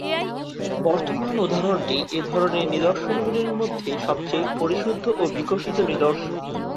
বর্তমান উদাহরণটি এ ধরনের নিদর্শনগুলির মধ্যে সবচেয়ে পরিশুদ্ধ ও বিকশিত নিদর্শন।